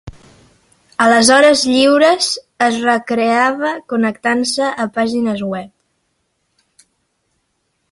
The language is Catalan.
A les hores lliures es recreava connectant-se a pàgines web.